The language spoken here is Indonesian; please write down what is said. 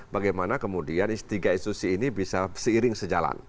bagaimana kemudian tiga institusi ini bisa seiring sejalan